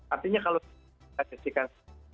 artinya kalau kita testikan